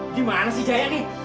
gimana sih jaya nih